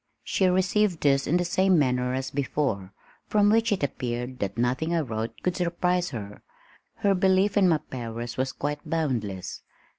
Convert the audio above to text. She received this in the same manner as before, from which it appeared that nothing I wrote could surprise her. Her belief in my powers was quite boundless.